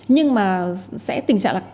nhưng mà sẽ tình trạng là